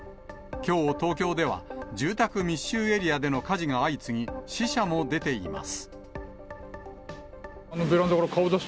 きょう、東京では住宅密集エリアでの火事が相次ぎ、死者も出ています。